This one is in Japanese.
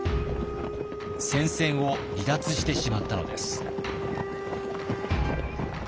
戦線を離脱してしまったのです。